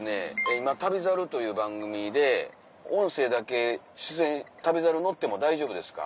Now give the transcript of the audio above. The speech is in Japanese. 今『旅猿』という番組で音声だけ出演『旅猿』乗っても大丈夫ですか？